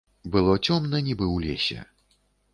Было цёмна, нібы ў лесе.